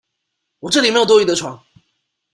我這裡沒有多餘的床